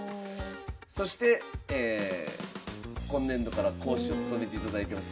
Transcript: そして今年度から講師を務めていただいてます